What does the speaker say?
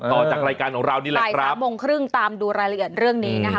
ต่อจากรายการของเรานี่แหละใช่สามโมงครึ่งตามดูรายละเอียดเรื่องนี้นะคะ